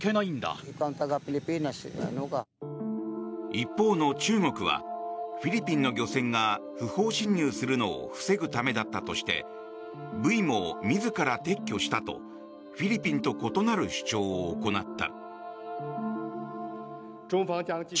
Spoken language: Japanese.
一方の中国はフィリピンの漁船が不法侵入するのを防ぐためだったとしてブイも自ら撤去したとフィリピンと異なる主張を行った。